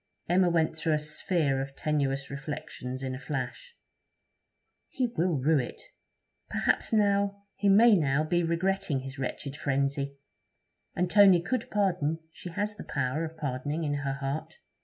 Emma went through a sphere of tenuious reflections in a flash. 'He will rue it. Perhaps now... he may now be regretting his wretched frenzy. And Tony could pardon; she has the power of pardoning in her heart.'